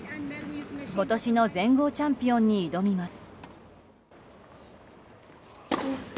今年の全豪チャンピオンに挑みます。